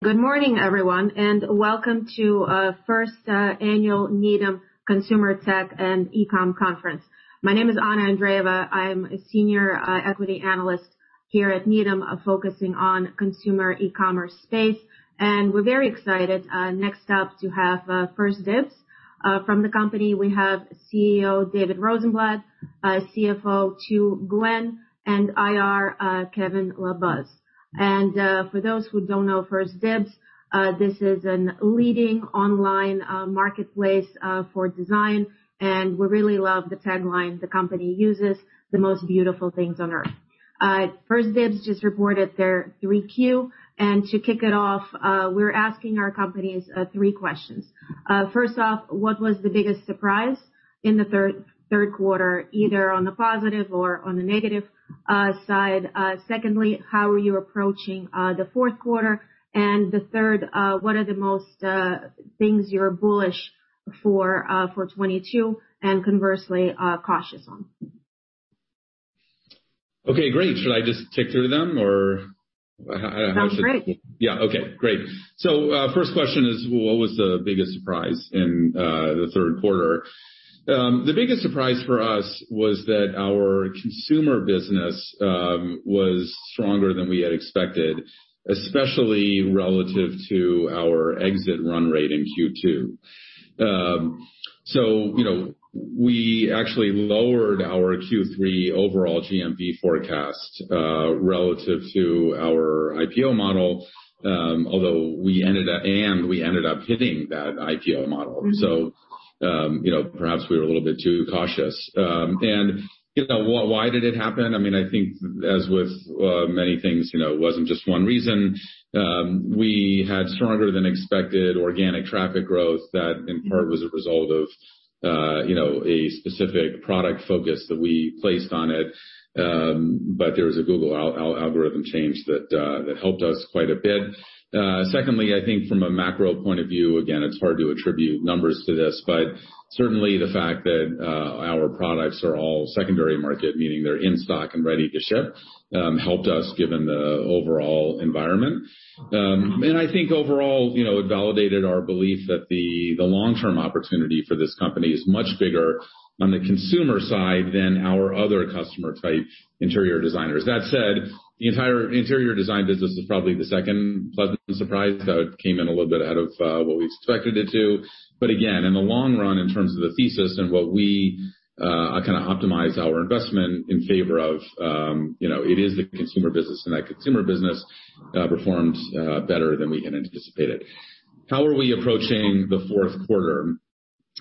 Good morning, everyone, and welcome to the First Annual Needham Consumer Tech and E-Com Conference. My name is Anna Andreeva. I'm a Senior Equity Analyst here at Needham, focusing on consumer e-commerce space, and we're very excited next up to have 1stDibs. From the company, we have CEO David Rosenblatt, CFO Tu Nguyen, and IR Kevin LaBuz. For those who don't know 1stDibs, this is a leading online marketplace for design, and we really love the tagline the company uses, "The most beautiful things on Earth." 1stDibs just reported their Q3, and to kick it off, we're asking our companies three questions. First off, what was the biggest surprise in the third quarter, either on the positive or on the negative side? Secondly, how are you approaching the fourth quarter? The third, what are the most things you're bullish for 2022, and conversely, cautious on? Okay, great. Should I just tick through them or how should- Sounds great. Yeah, okay. Great. First question is, what was the biggest surprise in the third quarter? The biggest surprise for us was that our consumer business was stronger than we had expected, especially relative to our exit run rate in Q2. So, you know, we actually lowered our Q3 overall GMV forecast relative to our IPO model, although we ended up hitting that IPO modeL. You know, perhaps we were a little bit too cautious. You know, why did it happen? I mean, I think as with many things, you know, it wasn't just one reason. We had stronger than expected organic traffic growth that in part was a result of, you know, a specific product focus that we placed on it. There was a Google algorithm change that helped us quite a bit. Secondly, I think from a macro point of view, again, it's hard to attribute numbers to this, but certainly the fact that our products are all secondary market, meaning they're in stock and ready to ship, helped us given the overall environment. I think overall, you know, it validated our belief that the long-term opportunity for this company is much bigger on the consumer side than our other customer type interior designers. That said, the entire interior design business is probably the second pleasant surprise, though it came in a little bit ahead of what we expected it to. Again, in the long run, in terms of the thesis and what we kinda optimize our investment in favor of, you know, it is the consumer business, and that consumer business performed better than we had anticipated. How are we approaching the fourth quarter?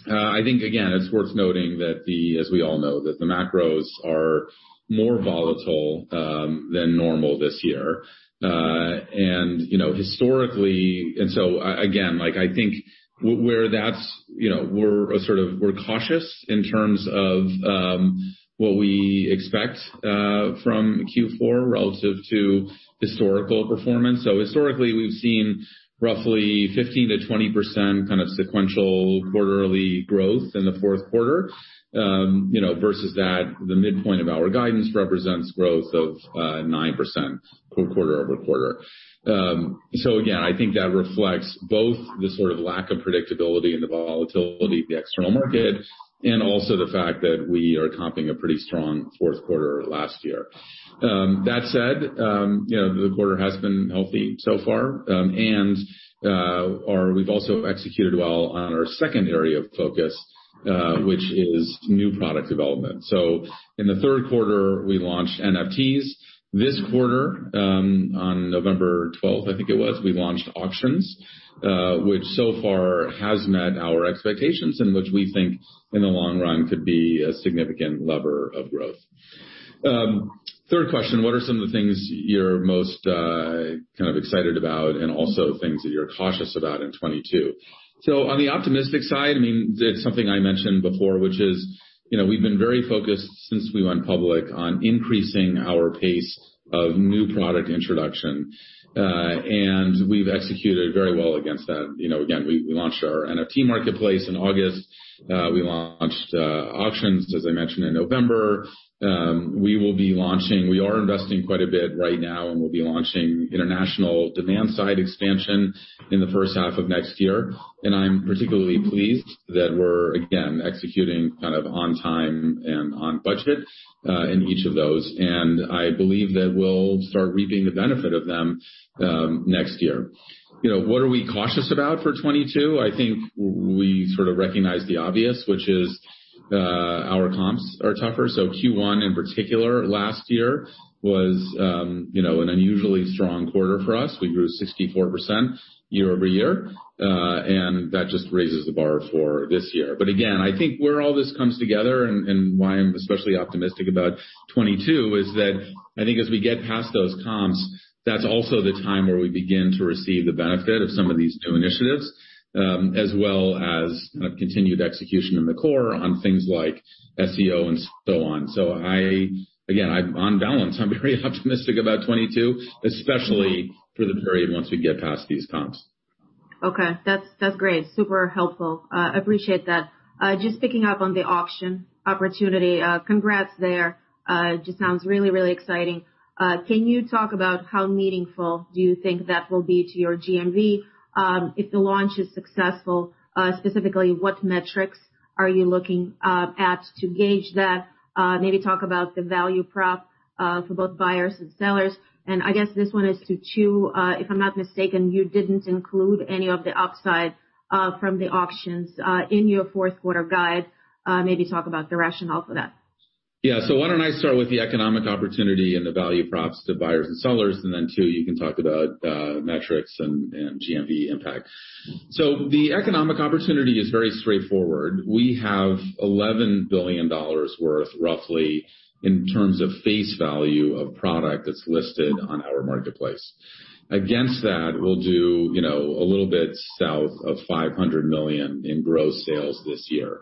I think again, it's worth noting that as we all know, the macros are more volatile than normal this year. You know, historically... Again, like, I think that's where, you know, we're sort of cautious in terms of what we expect from Q4 relative to historical performance. Historically, we've seen roughly 15%-20% kind of sequential quarterly growth in the fourth quarter. You know, versus that, the midpoint of our guidance represents growth of 9% quarter-over-quarter. Again, I think that reflects both the sort of lack of predictability and the volatility of the external market, and also the fact that we are comping a pretty strong fourth quarter last year. That said, you know, the quarter has been healthy so far. We've also executed well on our second area of focus, which is new product development. In the third quarter, we launched NFTs. This quarter, on November 12, I think it was, we launched auctions, which so far has met our expectations and which we think in the long run could be a significant lever of growth. Third question: What are some of the things you're most kind of excited about and also things that you're cautious about in 2022? On the optimistic side, I mean, it's something I mentioned before, which is, you know, we've been very focused since we went public on increasing our pace of new product introduction. We've executed very well against that. You know, again, we launched our NFT marketplace in August. We launched auctions, as I mentioned, in November. We will be launching... We are investing quite a bit right now, and we'll be launching international demand side expansion in the first half of next year, and I'm particularly pleased that we're, again, executing kind of on time and on budget in each of those. I believe that we'll start reaping the benefit of them next year. You know, what are we cautious about for 2022? I think we sort of recognize the obvious, which is our comps are tougher. Q1 in particular last year was, you know, an unusually strong quarter for us. We grew 64% year-over-year, and that just raises the bar for this year. Again, I think where all this comes together and why I'm especially optimistic about 2022 is that I think as we get past those comps, that's also the time where we begin to receive the benefit of some of these new initiatives, as well as continued execution in the core on things like SEO and so on. Again, on balance, I'm very optimistic about 2022, especially for the period once we get past these comps. Okay, that's great. Super helpful. Appreciate that. Just picking up on the auction opportunity. Congrats there. Just sounds really exciting. Can you talk about how meaningful do you think that will be to your GMV, if the launch is successful, specifically, what metrics are you looking at to gauge that? Maybe talk about the value prop for both buyers and sellers. I guess this one is to Tu, if I'm not mistaken, you didn't include any of the upside from the auctions in your fourth quarter guide. Maybe talk about the rationale for that. Yeah. Why don't I start with the economic opportunity and the value props to buyers and sellers, and then, Tu, you can talk about metrics and GMV impact. The economic opportunity is very straightforward. We have roughly $11 billion worth in terms of face value of product that's listed on our marketplace. Against that, we'll do, you know, a little bit south of $500 million in gross sales this year.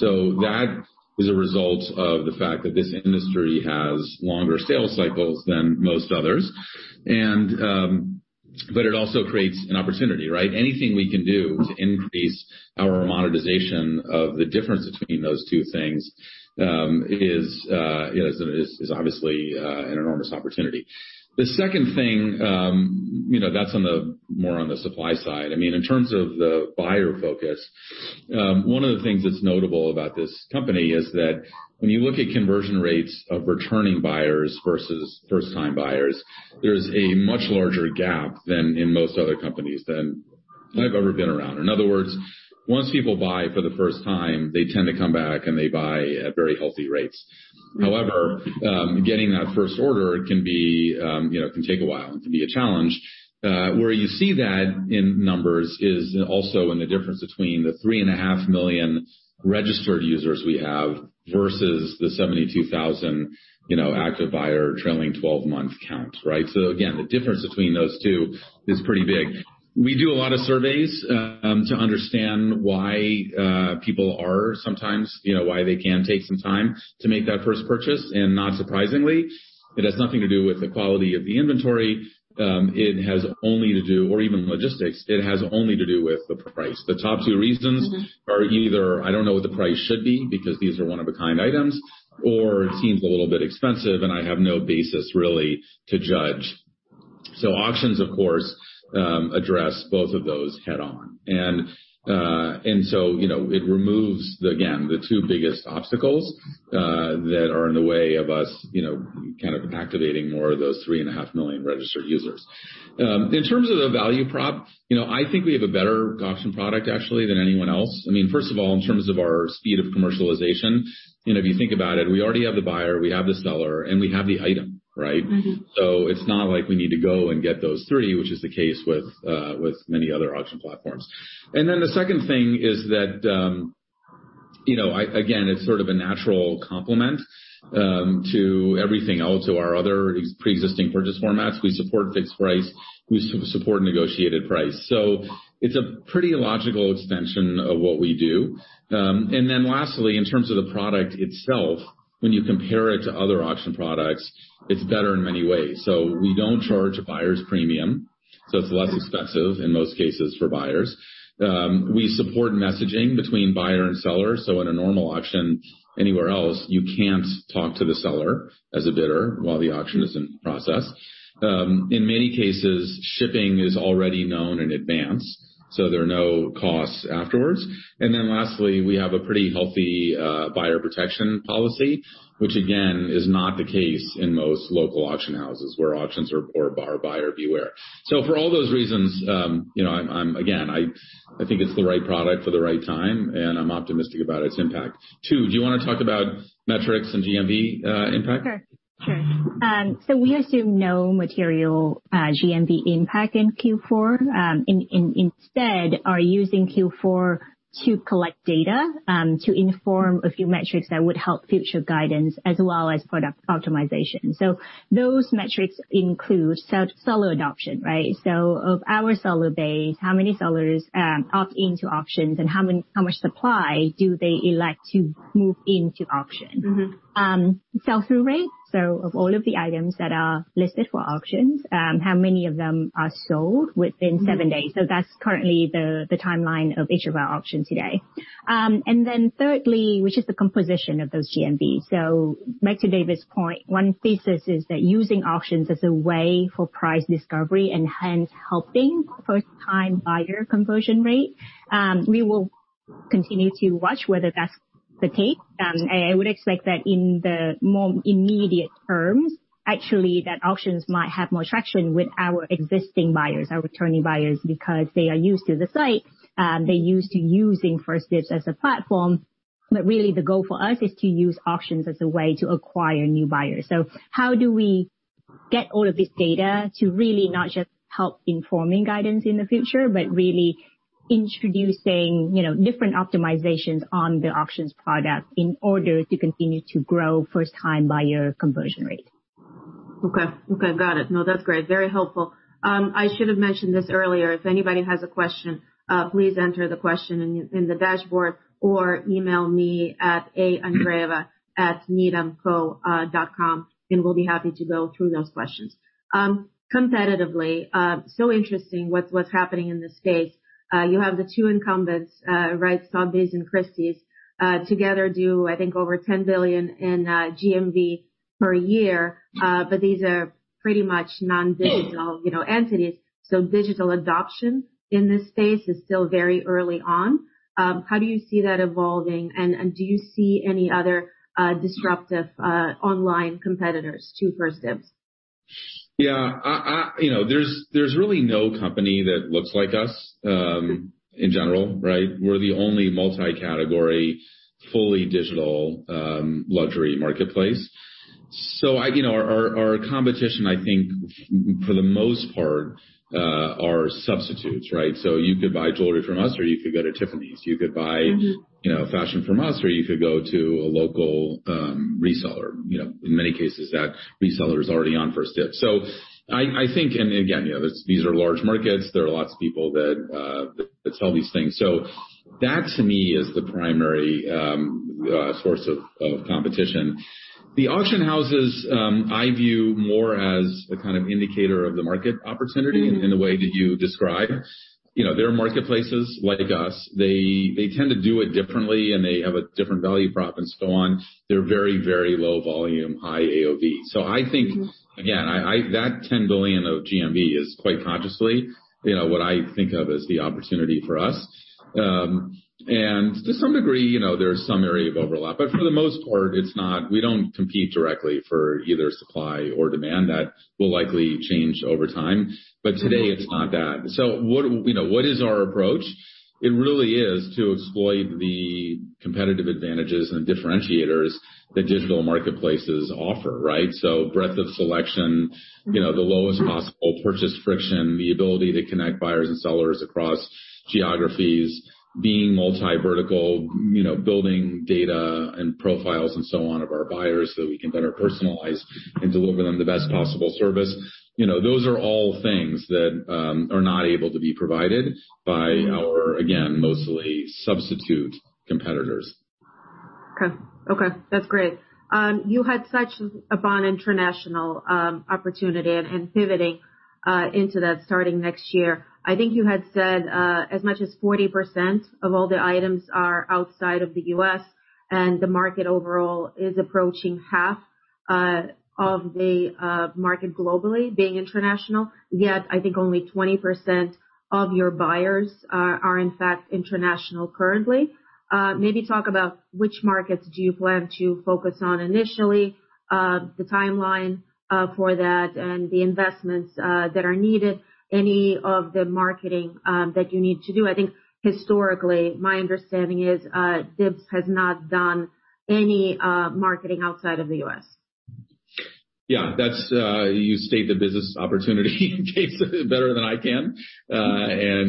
That is a result of the fact that this industry has longer sales cycles than most others. But it also creates an opportunity, right? Anything we can do to increase our monetization of the difference between those two things is, you know, obviously an enormous opportunity. The second thing, you know, that's more on the supply side. I mean, in terms of the buyer focus, one of the things that's notable about this company is that when you look at conversion rates of returning buyers versus first time buyers, there's a much larger gap than in most other companies than I've ever been around. In other words, once people buy for the first time, they tend to come back, and they buy at very healthy rates. However, getting that first order can be, you know, can take a while and can be a challenge. Where you see that in numbers is also in the difference between the 3.5 million registered users we have versus the 72,000, you know, active buyer trailing twelve-month count, right? So again, the difference between those two is pretty big. We do a lot of surveys to understand why people are sometimes, you know, why they can take some time to make that first purchase. Not surprisingly, it has nothing to do with the quality of the inventory. It has only to do with the price. The top two reasons are either, I don't know what the price should be because these are one of a kind items, or it seems a little bit expensive, and I have no basis really to judge. Auctions, of course, address both of those head on. It removes, again, the two biggest obstacles that are in the way of us, you know, kind of activating more of those 3.5 million registered users. In terms of the value prop, you know, I think we have a better auction product actually, than anyone else. I mean, first of all, in terms of our speed of commercialization, you know, if you think about it, we already have the buyer, we have the seller, and we have the item, right? Mm-hmm. It's not like we need to go and get those three, which is the case with many other auction platforms. The second thing is that, you know, again, it's sort of a natural complement to everything else, to our other preexisting purchase formats. We support fixed price. We support negotiated price. It's a pretty logical extension of what we do. Lastly, in terms of the product itself, when you compare it to other auction products, it's better in many ways. We don't charge a buyer's premium, so it's less expensive in most cases for buyers. We support messaging between buyer and seller. In a normal auction anywhere else, you can't talk to the seller as a bidder while the auction is in process. In many cases, shipping is already known in advance, so there are no costs afterwards. Then lastly, we have a pretty healthy buyer protection policy, which again, is not the case in most local auction houses where auctions are buyer beware. For all those reasons, you know, again, I think it's the right product for the right time, and I'm optimistic about its impact. Tu, do you wanna talk about metrics and GMV impact? We assume no material GMV impact in Q4. Instead, we are using Q4 to collect data to inform a few metrics that would help future guidance as well as product optimization. Those metrics include seller adoption, right? Of our seller base, how many sellers opt into auctions and how much supply do they elect to move into auction? Mm-hmm. Sell-through rate. Of all of the items that are listed for auctions, how many of them are sold within seven days? That's currently the timeline of each of our auctions today. Then thirdly, which is the composition of those GMV. Back to David's point, one thesis is that using auctions as a way for price discovery and hence helping first-time buyer conversion rate, we will continue to watch whether that's the case. I would expect that in the more immediate terms, actually, that auctions might have more traction with our existing buyers, our returning buyers, because they are used to the site. They're used to using 1stDibs as a platform. Really the goal for us is to use auctions as a way to acquire new buyers. How do we get all of this data to really not just help informing guidance in the future, but really introducing, you know, different optimizations on the auctions product in order to continue to grow first time buyer conversion rate? Okay. Got it. No, that's great. Very helpful. I should have mentioned this earlier. If anybody has a question, please enter the question in the dashboard or email me at aandreeva@needhamco.com and we'll be happy to go through those questions. Competitively, so interesting what's happening in this space. You have the two incumbents, right, Sotheby's and Christie's, together do, I think, over $10 billion in GMV per year. These are pretty much non-digital, you know, entities. Digital adoption in this space is still very early on. How do you see that evolving? And do you see any other disruptive online competitors to 1stDibs? Yeah. You know, there's really no company that looks like us, in general, right? We're the only multi-category, fully digital, luxury marketplace. You know, our competition, I think for the most part, are substitutes, right? You could buy jewelry from us or you could go to Tiffany's. You could buy Mm-hmm. You know, fashion from us or you could go to a local reseller. You know, in many cases that reseller is already on 1stDibs. So I think and again, you know, these are large markets. There are lots of people that sell these things. So that to me is the primary source of competition. The auction houses, I view more as a kind of indicator of the market opportunity in the way that you describe. You know, they're marketplaces like us. They tend to do it differently and they have a different value prop and so on. They're very, very low volume, high AOV. So I think. Mm-hmm. Again, that 10 billion of GMV is quite consciously, you know, what I think of as the opportunity for us. To some degree, you know, there is some area of overlap, but for the most part it's not. We don't compete directly for either supply or demand. That will likely change over time, but today it's not that. You know, what is our approach? It really is to exploit the competitive advantages and differentiators that digital marketplaces offer, right? Breadth of selection. Mm-hmm. You know, the lowest possible purchase friction, the ability to connect buyers and sellers across geographies, being multi-vertical, you know, building data and profiles and so on of our buyers so we can better personalize and deliver them the best possible service. You know, those are all things that are not able to be provided by our, again, mostly substitute competitors. Okay. Okay, that's great. You had such a broad international opportunity and pivoting into that starting next year. I think you had said as much as 40% of all the items are outside of the U.S. and the market overall is approaching 1/2 of the market globally being international. Yet I think only 20% of your buyers are in fact international currently. Maybe talk about which markets do you plan to focus on initially, the timeline for that and the investments that are needed, any of the marketing that you need to do. I think historically my understanding is 1stDibs has not done any marketing outside of the U.S. Yeah, that's. You state the business opportunity case better than I can.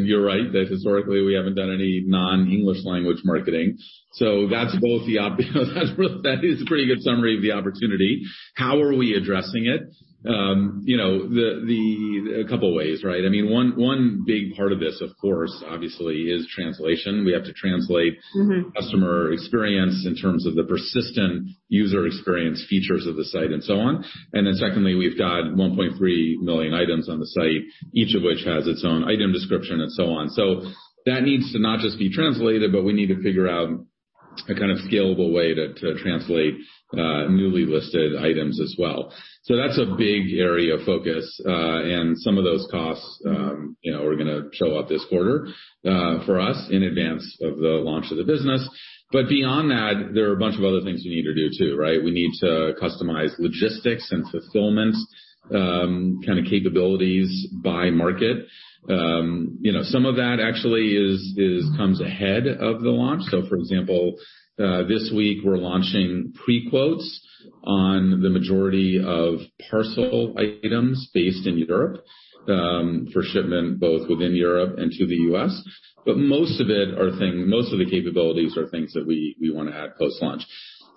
You're right that historically we haven't done any non-English language marketing. That is a pretty good summary of the opportunity. How are we addressing it? You know, a couple ways, right? I mean, one big part of this of course obviously is translation. We have to translate. Mm-hmm. Customer experience in terms of the persistent user experience features of the site and so on. Secondly, we've got 1.3 million items on the site, each of which has its own item description and so on. That needs to not just be translated, but we need to figure out a kind of scalable way to translate newly listed items as well. That's a big area of focus. Some of those costs, you know, are gonna show up this quarter for us in advance of the launch of the business. Beyond that, there are a bunch of other things we need to do too, right? We need to customize logistics and fulfillments kind of capabilities by market. You know, some of that actually comes ahead of the launch. For example, this week we're launching pre-quotes on the majority of parcel items based in Europe, for shipment both within Europe and to the U.S. Most of the capabilities are things that we wanna add post-launch.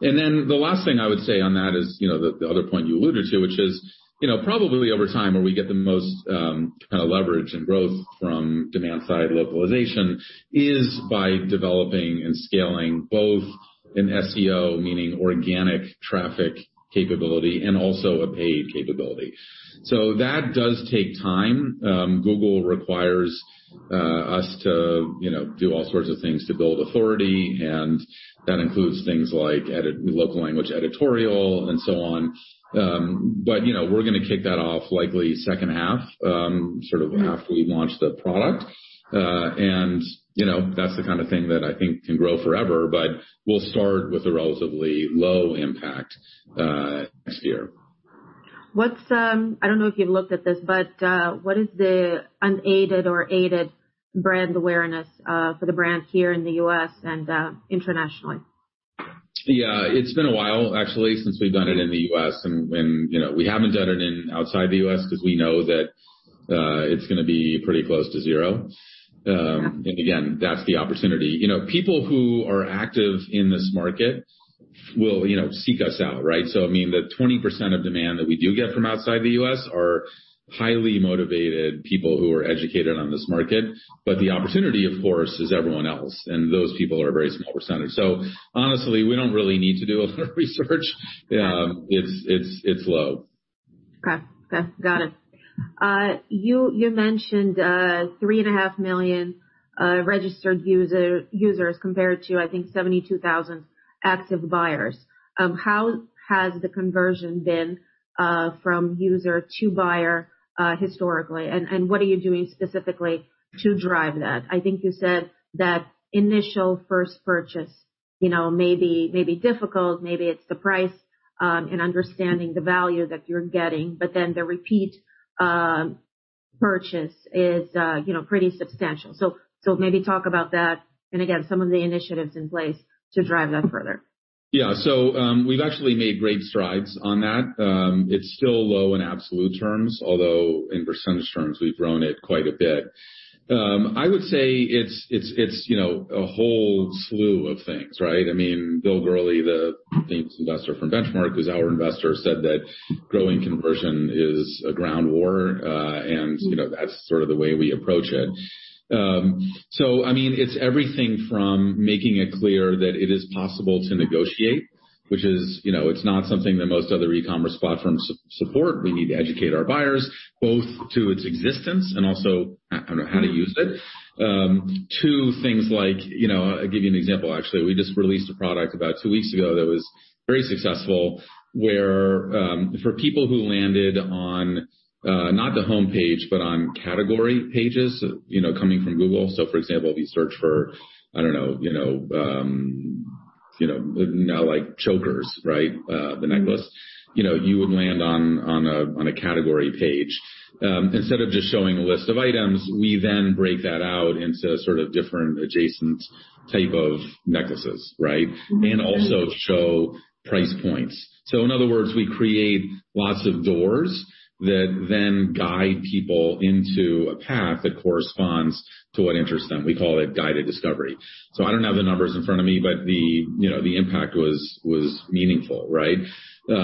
Then the last thing I would say on that is, you know, the other point you alluded to which is, you know, probably over time where we get the most kind of leverage and growth from demand side localization is by developing and scaling both an SEO, meaning organic traffic capability and also a paid capability. That does take time. Google requires us to, you know, do all sorts of things to build authority, and that includes things like edited local language editorial and so on. you know, we're gonna kick that off likely second half, sort of after we launch the product. you know, that's the kind of thing that I think can grow forever, but we'll start with a relatively low impact, next year. I don't know if you've looked at this, but what is the unaided or aided brand awareness for the brand here in the U.S. and internationally? Yeah. It's been a while actually since we've done it in the U.S., and you know, we haven't done it outside the U.S. 'cause we know that it's gonna be pretty close to zero. Again, that's the opportunity. You know, people who are active in this market will, you know, seek us out, right? I mean, the 20% of demand that we do get from outside the U.S. are highly motivated people who are educated on this market. The opportunity, of course, is everyone else, and those people are a very small percentage. Honestly, we don't really need to do a lot of research. It's low. Okay. Got it. You mentioned 3.5 million registered users compared to, I think, 72,000 active buyers. How has the conversion been from user to buyer historically? What are you doing specifically to drive that? I think you said that initial first purchase, you know, may be difficult, maybe it's the price and understanding the value that you're getting, but then the repeat purchase is, you know, pretty substantial. Maybe talk about that and again, some of the initiatives in place to drive that further. Yeah. We've actually made great strides on that. It's still low in absolute terms, although in percentage terms we've grown it quite a bit. I would say it's you know, a whole slew of things, right? I mean, Bill Gurley, the Investor from Benchmark, is our investor, said that growing conversion is a ground war. You know, that's sort of the way we approach it. I mean, it's everything from making it clear that it is possible to negotiate, which is, you know, it's not something that most other e-commerce platforms support. We need to educate our buyers both to its existence and also how to use it. Two things like, you know, I'll give you an example, actually. We just released a product about two weeks ago that was very successful, where for people who landed on not the homepage, but on category pages, you know, coming from Google. For example, if you search for, I don't know, like chokers, right, the necklace. You know, you would land on a category page. Instead of just showing a list of items, we then break that out into sort of different adjacent type of necklaces, right? And also show price points. In other words, we create lots of doors that then guide people into a path that corresponds to what interests them. We call it guided discovery. I don't have the numbers in front of me, but you know, the impact was meaningful, right? There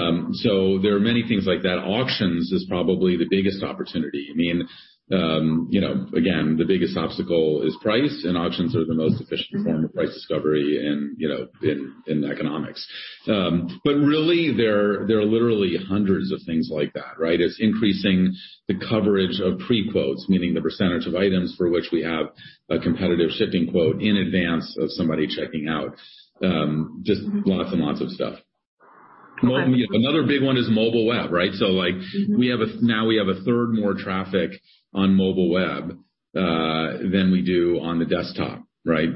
are many things like that. Auctions is probably the biggest opportunity. I mean, you know, again, the biggest obstacle is price, and auctions are the most efficient form of price discovery in economics. But really there are literally hundreds of things like that, right? It's increasing the coverage of pre-quotes, meaning the percentage of items for which we have a competitive shipping quote in advance of somebody checking out. Just lots and lots of stuff. Another big one is mobile web, right? Like, now we have a third more traffic on mobile web than we do on the desktop, right?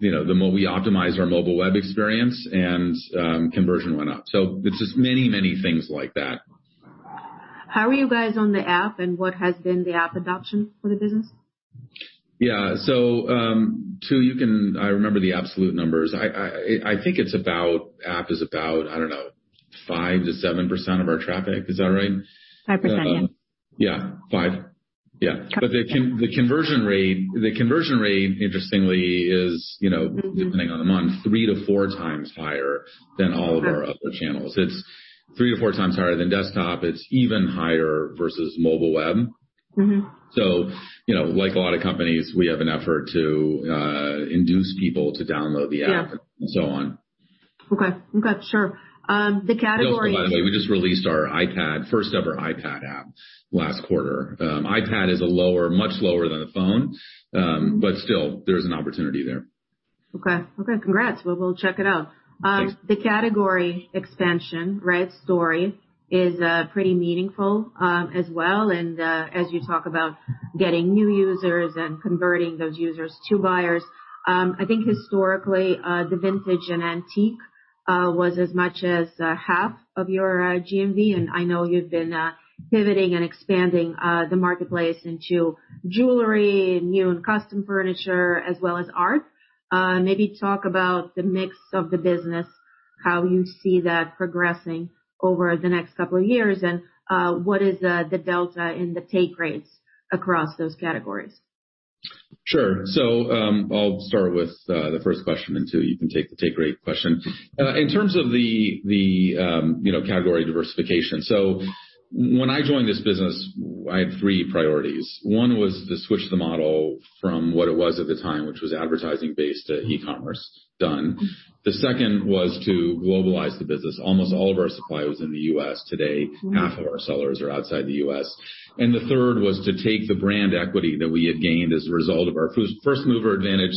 You know, we optimized our mobile web experience and conversion went up. It's just many, many things like that. How are you guys on the app, and what has been the app adoption for the business? Tu, I remember the absolute numbers. I think the app is about, I don't know, 5%-7% of our traffic. Is that right? 5%, yeah. Yeah, 5%. Yeah. The conversion rate, interestingly, is, you know, depending on the month, 3x-4x higher than all of our other channels. It's 3x-4x higher than desktop. It's even higher versus mobile web. Mm-hmm. you know, like a lot of companies, we have an effort to induce people to download the app. Yeah. On. Okay. Sure. By the way, we just released our first ever iPad app last quarter. iPad is lower, much lower than a phone, but still there's an opportunity there. Okay. Congrats. We'll check it out. Thanks. The category expansion, right, story is pretty meaningful as well. As you talk about getting new users and converting those users to buyers, I think historically, the vintage and antique was as much as half of your GMV, and I know you've been pivoting and expanding the marketplace into Jewelry, new and custom Furniture, as well as Art. Maybe talk about the mix of the business, how you see that progressing over the next couple of years, and what is the delta in the take rates across those categories. I'll start with the first question, and Tu, you can take the take rate question. In terms of you know, category diversification. When I joined this business, I had three priorities. One was to switch the model from what it was at the time, which was advertising based to e-commerce, done. The second was to globalize the business. Almost all of our supply was in the U.S. Today, half of our sellers are outside the U.S. The third was to take the brand equity that we had gained as a result of our first mover advantage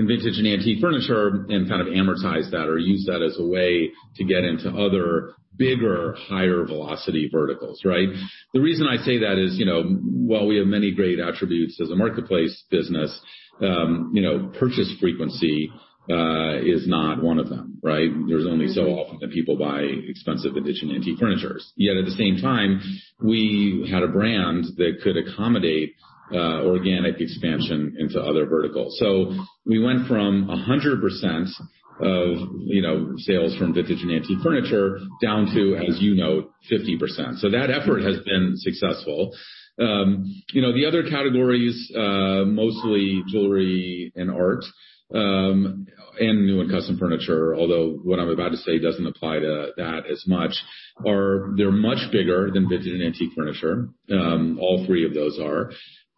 in vintage and antique furniture and kind of amortize that or use that as a way to get into other bigger, higher velocity verticals, right? The reason I say that is, you know, while we have many great attributes as a marketplace business, purchase frequency is not one of them, right? There's only so often that people buy expensive vintage and antique furniture. Yet at the same time, we had a brand that could accommodate organic expansion into other verticals. We went from 100% of, you know, sales from vintage and antique Furniture down to, as you know, 50%. That effort has been successful. You know, the other categories, mostly Jewelry and Art, and new and custom Furniture, although what I'm about to say doesn't apply to that as much, are. They're much bigger than vintage and antique Furniture. All three of those are.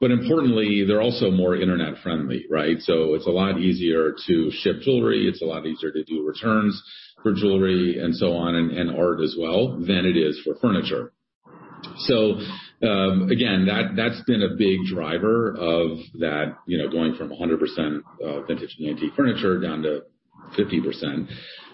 Importantly, they're also more internet-friendly, right? It's a lot easier to ship Jewelry, it's a lot easier to do returns for Jewelry and so on, and Art as well than it is for Furniture. Again, that's been a big driver of that, you know, going from 100% vintage and antique Furniture down to 50%.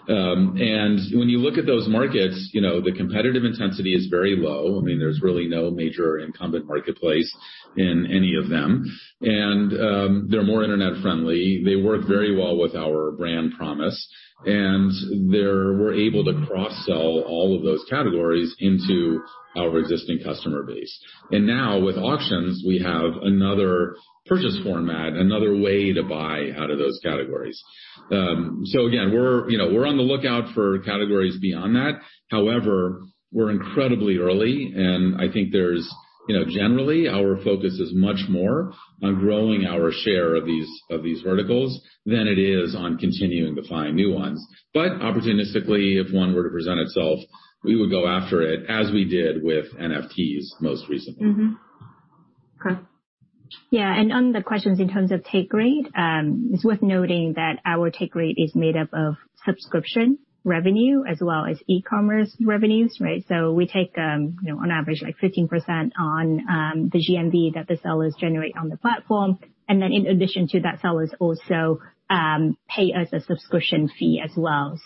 When you look at those markets, you know, the competitive intensity is very low. I mean, there's really no major incumbent marketplace in any of them. They're more internet friendly. They work very well with our brand promise. They're, we're able to cross-sell all of those categories into our existing customer base. Now with auctions, we have another purchase format, another way to buy out of those categories. Again, you know, we're on the lookout for categories beyond that. However, we're incredibly early, and I think there's, you know, generally, our focus is much more on growing our share of these verticals than it is on continuing to find new ones. Opportunistically, if one were to present itself, we would go after it as we did with NFTs most recently. Mm-hmm. Okay. Yeah. On the questions in terms of take rate, it's worth noting that our take rate is made up of subscription revenue as well as e-commerce revenues, right? We take, you know, on average, like, 15% on the GMV that the sellers generate on the platform. Then in addition to that, sellers also pay us a subscription fee as well.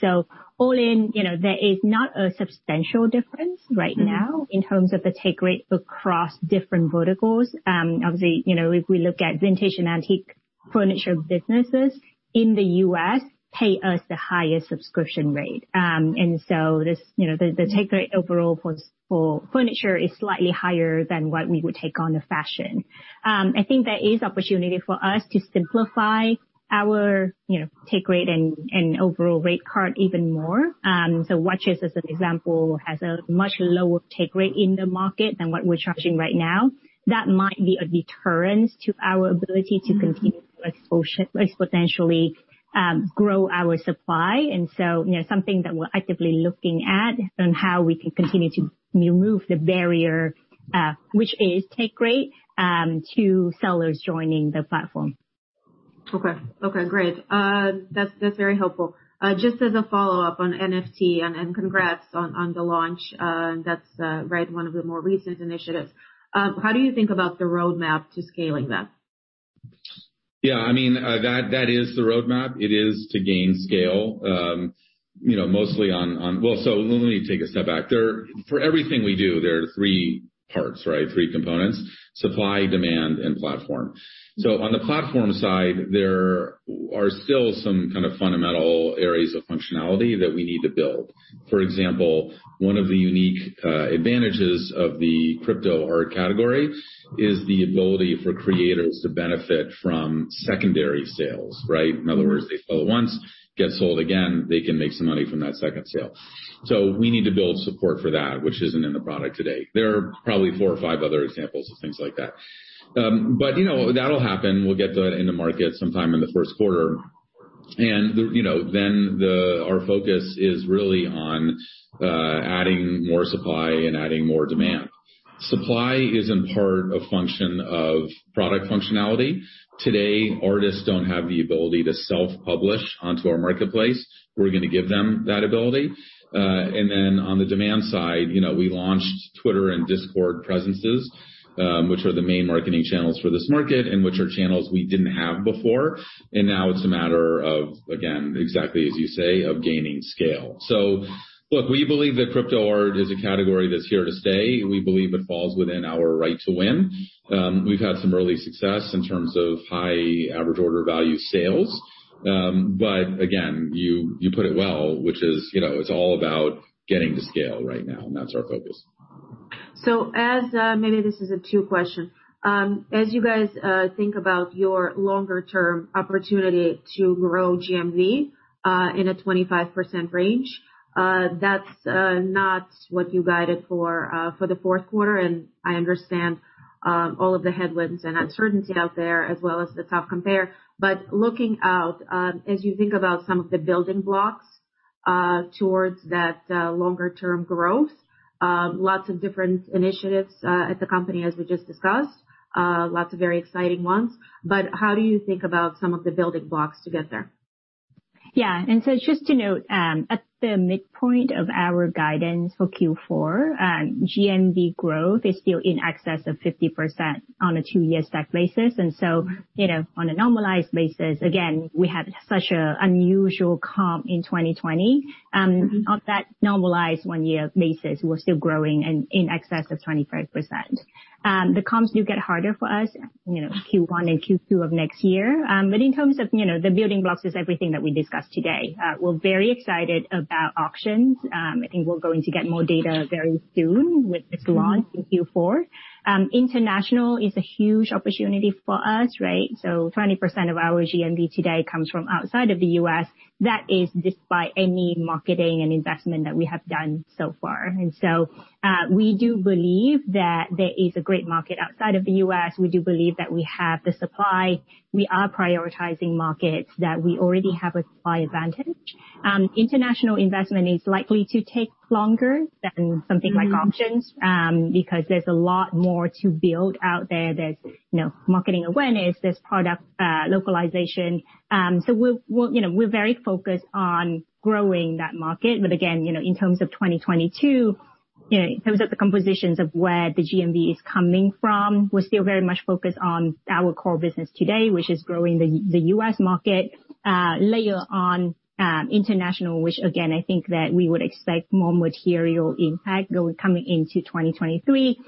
All in, you know, there is not a substantial difference right now in terms of the take rate across different verticals. Obviously, you know, if we look at vintage and antique furniture businesses in the U.S. pay us the highest subscription rate. This, you know, the take rate overall for furniture is slightly higher than what we would take on the fashion. I think there is opportunity for us to simplify our, you know, take rate and overall rate card even more. Watches, as an example, has a much lower take rate in the market than what we're charging right now. That might be a deterrence to our ability to continue to exponentially grow our supply. You know, something that we're actively looking at on how we can continue to remove the barrier, which is take rate, to sellers joining the platform. Okay. Great. That's very helpful. Just as a follow-up on NFT, and congrats on the launch, that's right, one of the more recent initiatives. How do you think about the roadmap to scaling that? Yeah, I mean, that is the roadmap. It is to gain scale, you know, mostly on. Well, let me take a step back. For everything we do, there are three parts, right? Three components, supply, demand, and platform. On the platform side, there are still some kind of fundamental areas of functionality that we need to build. For example, one of the unique advantages of the crypto art category is the ability for creators to benefit from secondary sales, right? In other words, they sell it once, gets sold again, they can make some money from that second sale. We need to build support for that, which isn't in the product today. There are probably four or five other examples of things like that. But, you know, that'll happen. We'll get that in the market sometime in the first quarter. Our focus is really on adding more supply and adding more demand. Supply is in part a function of product functionality. Today, artists don't have the ability to self-publish onto our marketplace. We're gonna give them that ability. On the demand side, you know, we launched Twitter and Discord presences, which are the main marketing channels for this market and which are channels we didn't have before. Now it's a matter of, again, exactly, as you say, of gaining scale. Look, we believe that crypto art is a category that's here to stay. We believe it falls within our right to win. We've had some early success in terms of high average order value sales. Again, you put it well, which is, you know, it's all about getting to scale right now, and that's our focus. Maybe this is a two-part question. As you guys think about your longer-term opportunity to grow GMV in a 25% range, that's not what you guided for the fourth quarter. I understand all of the headwinds and uncertainty out there as well as the tough compare. Looking out, as you think about some of the building blocks toward that longer-term growth, lots of different initiatives at the company as we just discussed, lots of very exciting ones. How do you think about some of the building blocks to get there? Just to note, at the midpoint of our guidance for Q4, GMV growth is still in excess of 50% on a two-year stack basis. You know, on a normalized basis, again, we had such an unusual comp in 2020. On that normalized one-year basis, we're still growing in excess of 25%. The comps do get harder for us, you know, Q1 and Q2 of next year. In terms of, you know, the building blocks is everything that we discussed today. We're very excited about auctions. I think we're going to get more data very soon with this launch in Q4. International is a huge opportunity for us, right? 20% of our GMV today comes from outside of the U.S. That is despite any marketing and investment that we have done so far. We do believe that there is a great market outside of the U.S. We do believe that we have the supply. We are prioritizing markets that we already have a supply advantage. International investment is likely to take longer than something like auctions, because there's a lot more to build out there. There's you know, marketing awareness, there's product localization. So we're you know, we're very focused on growing that market. Again, you know, in terms of 2022. You know, in terms of the compositions of where the GMV is coming from, we're still very much focused on our core business today, which is growing the U.S. market. Later on, international, which again, I think that we would expect more material impact coming into 2023.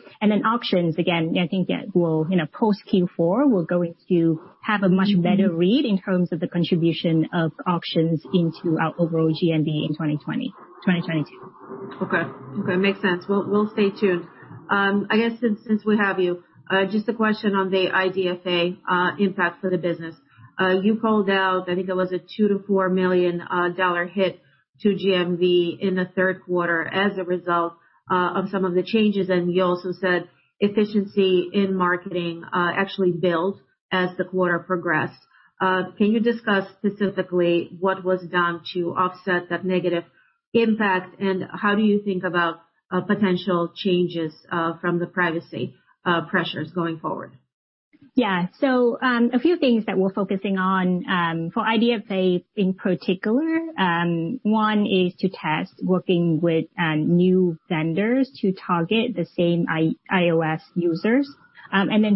Auctions again, I think that will, you know, post Q4, we're going to have a much better read in terms of the contribution of auctions into our overall GMV in 2022. Okay. Okay, makes sense. We'll stay tuned. I guess since we have you, just a question on the IDFA impact for the business. You called out, I think it was a $2 million-$4 million hit to GMV in the third quarter as a result of some of the changes. You also said efficiency in marketing actually built as the quarter progressed. Can you discuss specifically what was done to offset that negative impact? How do you think about potential changes from the privacy pressures going forward? Yeah. A few things that we're focusing on for IDFA in particular. One is to test working with new vendors to target the same iOS users.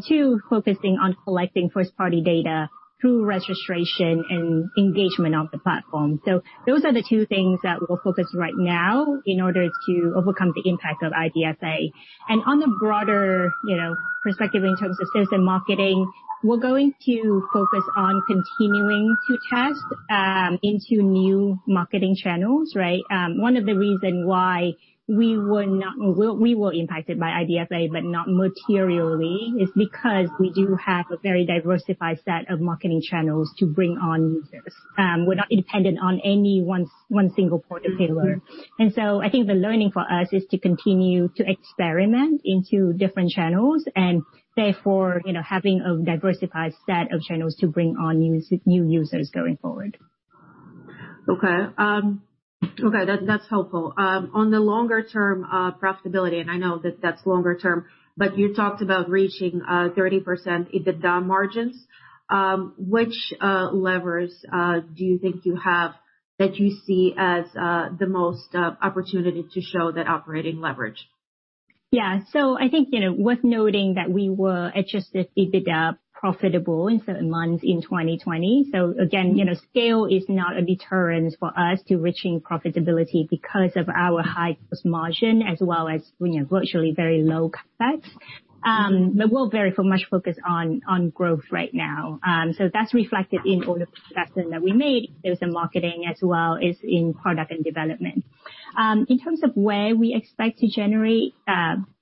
Two, focusing on collecting first-party data through registration and engagement of the platform. Those are the two things that we'll focus right now in order to overcome the impact of IDFA. On a broader, you know, perspective in terms of sales and marketing, we're going to focus on continuing to test into new marketing channels, right? One of the reasons why we were not materially impacted by IDFA is because we do have a very diversified set of marketing channels to bring on users. We're not dependent on any one single point of failure. I think the learning for us is to continue to experiment into different channels and therefore, you know, having a diversified set of channels to bring on new users going forward. Okay. That's helpful. On the longer term profitability, and I know that's longer term, but you talked about reaching 30% EBITDA margins. Which levers do you think you have that you see as the most opportunity to show that operating leverage? Yeah. I think, you know, worth noting that we were adjusted EBITDA profitable in certain months in 2020. Again, you know, scale is not a deterrent for us to reaching profitability because of our high gross margin as well as, you know, virtually very low CapEx. We're very much focused on growth right now. That's reflected in all the investments that we made in sales and marketing as well as in product and development. In terms of where we expect to generate,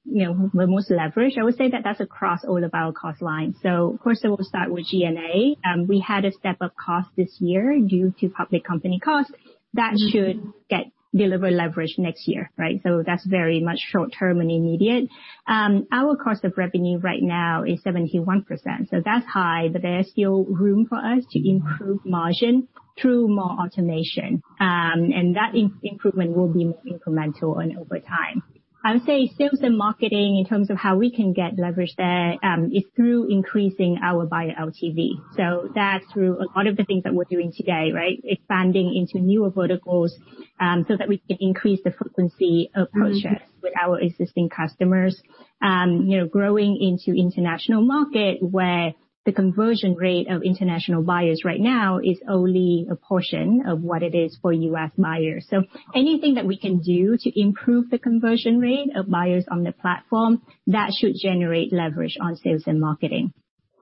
you know, the most leverage, I would say that that's across all of our cost lines. Of course, we'll start with G&A. We had a step up cost this year due to public company costs. That should get delivery leverage next year, right? That's very much short-term and immediate. Our cost of revenue right now is 71%, so that's high, but there's still room for us to improve margin through more automation. That improvement will be more incremental and over time. I would say sales and marketing in terms of how we can get leverage there is through increasing our buyer LTV. That's through a lot of the things that we're doing today, right? Expanding into newer verticals, so that we can increase the frequency of purchase with our existing customers. You know, growing into international market where the conversion rate of international buyers right now is only a portion of what it is for U.S. buyers. Anything that we can do to improve the conversion rate of buyers on the platform, that should generate leverage on sales and marketing.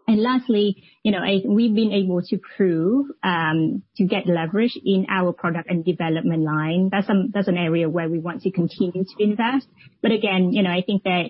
Lastly, you know, we've been able to prove to get leverage in our product and development line. That's an area where we want to continue to invest. Again, you know, I think that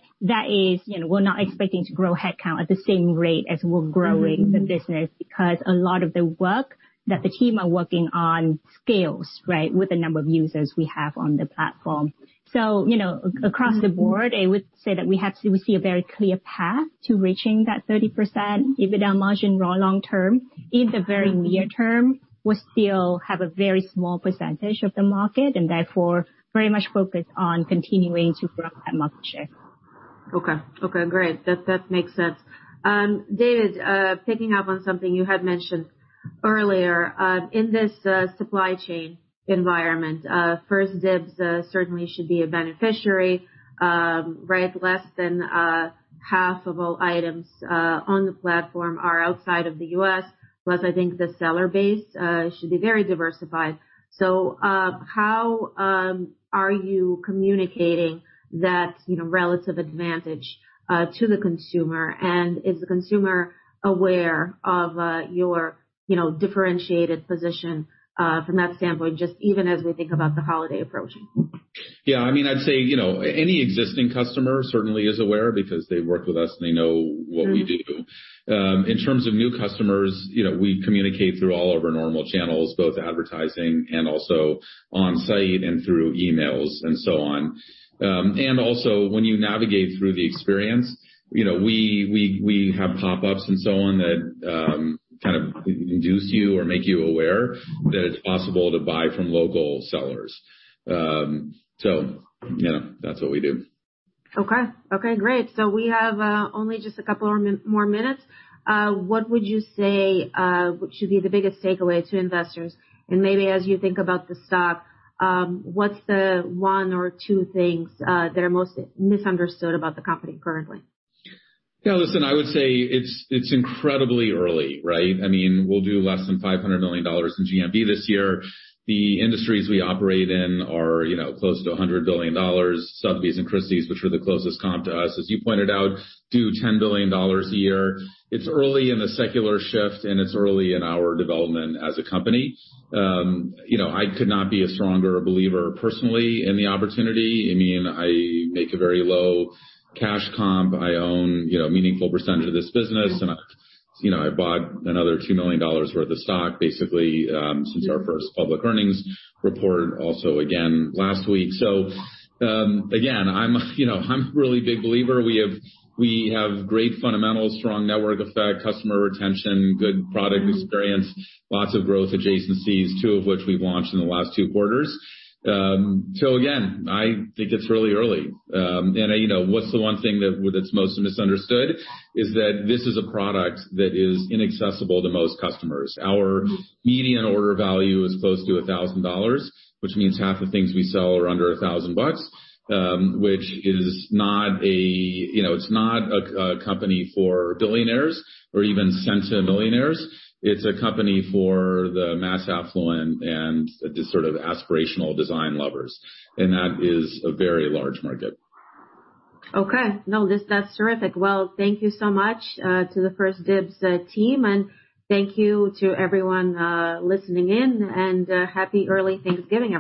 is, you know, we're not expecting to grow headcount at the same rate as we're growing the business because a lot of the work that the team are working on scales, right, with the number of users we have on the platform. You know, across the board, I would say that we see a very clear path to reaching that 30% EBITDA margin more long term. In the very near term, we still have a very small percentage of the market and therefore we are very much focused on continuing to grow that market share. Okay, great. That makes sense. David, picking up on something you had mentioned earlier, in this supply chain environment, 1stDibs certainly should be a beneficiary. Right? Less than 1/2 of all items on the platform are outside of the U.S., plus I think the seller base should be very diversified. How are you communicating that, you know, relative advantage to the consumer? And is the consumer aware of your, you know, differentiated position from that standpoint, just even as we think about the holiday approaching? Yeah. I mean, I'd say, you know, any existing customer certainly is aware because they work with us and they know what we do. In terms of new customers, you know, we communicate through all of our normal channels, both advertising and also on-site and through emails and so on. Also when you navigate through the experience, you know, we have pop-ups and so on that kind of induce you or make you aware that it's possible to buy from local sellers. Yeah, that's what we do. Okay, great. We have only just a couple of more minutes. What would you say should be the biggest takeaway to investors? Maybe as you think about the stock, what's the one or two things that are most misunderstood about the company currently? Yeah, listen, I would say it's incredibly early, right? I mean, we'll do less than $500 million in GMV this year. The industries we operate in are, you know, close to $100 billion. Sotheby's and Christie's, which are the closest comp to us, as you pointed out, do $10 billion a year. It's early in the secular shift, and it's early in our development as a company. You know, I could not be a stronger believer personally in the opportunity. I mean, I make a very low cash comp. I own, you know, a meaningful percentage of this business. You know, I bought another $2 million worth of stock, basically, since our first public earnings report, also again last week. Again, I'm, you know, a really big believer. We have great fundamentals, strong network effect, customer retention, good product experience, lots of growth adjacencies, two of which we've launched in the last two quarters. Again, I think it's really early. You know, what's the one thing that's most misunderstood is that this is a product that is inaccessible to most customers. Our median order value is close to $1000, which means half the things we sell are under $1000, which is not, you know, it's not a company for billionaires or even centimillionaires. It's a company for the mass affluent and the sort of aspirational design lovers, and that is a very large market. That's terrific. Well, thank you so much to the 1stDibs team, and thank you to everyone listening in, and happy early Thanksgiving, everyone.